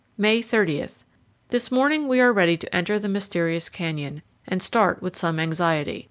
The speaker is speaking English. May 30. This morning we are ready to enter the mysterious canyon, and start with some anxiety.